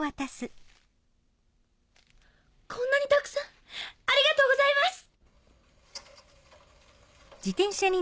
こんなにたくさんありがとうございます！